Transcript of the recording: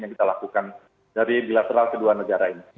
yang kita lakukan dari bilateral kedua negara ini